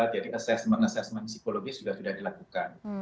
jadi assessment assessment psikologis sudah dilakukan